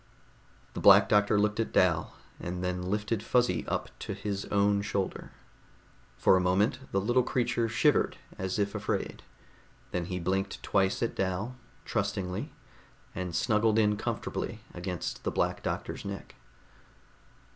The Black Doctor looked at Dal, and then lifted Fuzzy up to his own shoulder. For a moment the little creature shivered as if afraid. Then he blinked twice at Dal, trustingly, and snuggled in comfortably against the Black Doctor's neck.